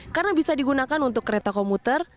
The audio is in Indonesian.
karena bisa digunakan untuk kereta komuter